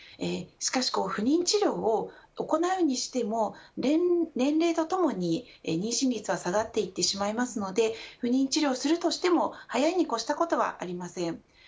しかし、不妊治療を行うにしても年齢とともに妊娠率は下がっていってしまいますので不妊治療をするとしても早いに越したことはありません。